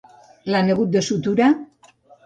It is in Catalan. L'han hagut de suturar?